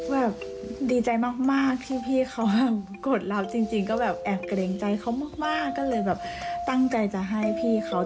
แบบดีใจมากที่พี่เขากดรับจริงก็แบบแอบเกรงใจเขามากก็เลยแบบตั้งใจจะให้พี่เขา